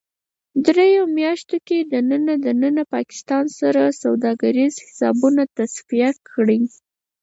دریو میاشتو کې دننه ـ دننه پاکستان سره سوداګریز حسابونه تصفیه کړئ